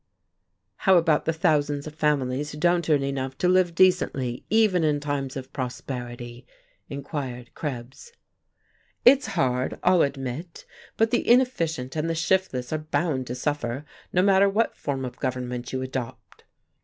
"How about the thousands of families who don't earn enough to live decently even in times of prosperity?" inquired Krebs. "It's hard, I'll admit, but the inefficient and the shiftless are bound to suffer, no matter what form of government you adopt."